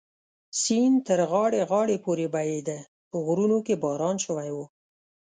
سیند تر غاړې غاړې پورې بهېده، په غرونو کې باران شوی و.